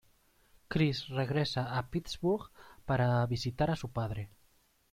Chris regresa a Pittsburgh para visitar a su padre.